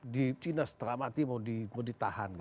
di china setelah mati mau ditahan